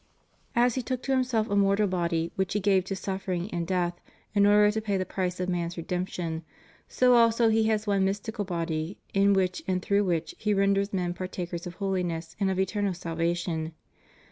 As He took to Himself a mortal body which he gave to suffering and death in order to pay the price of man's redemption, so also He has one mystical body in which and through which He renders men par takers of holiness and of eternal salvation.